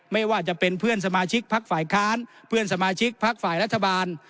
ไม่ว่าจะเป็นเพื่อนสมาชิกพักฝ่ายค้านเพื่อนสมาชิกพักฝ่ายรัฐบาล